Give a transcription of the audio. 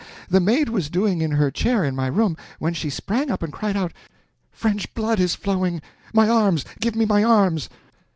The Maid was doing in her chair in my room, when she sprang up and cried out, 'French blood is flowing!—my arms, give me my arms!'